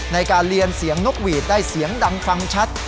ในการเรียนเสียงนกหวีดได้เสียงดังฟังชัด